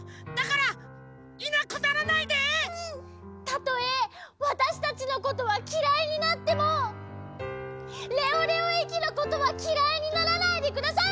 たとえわたしたちのことはきらいになってもレオレオ駅のことはきらいにならないでください！